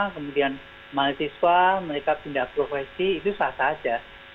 kemudian mahasiswa mereka pindah profesi itu sah sah saja